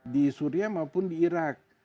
di syria maupun di irak